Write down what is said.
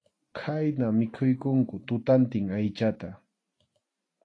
Khayna mikhuykunku tutantin aychata.